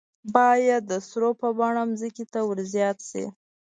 باید د سرو په بڼه ځمکې ته ور زیاتې شي.